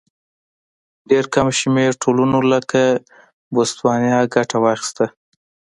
ډېر کم شمېر ټولنو لکه بوتسوانیا ګټه واخیسته.